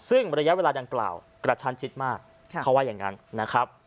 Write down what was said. ซึ่งระยะเวลาดังกล่าวกระชั้นชิดมากเขาว่าอย่างนั้นนะครับ